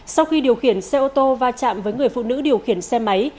sau khi điều khiển xe ô tô va chạm với người phụ nữ điều khiển xe máy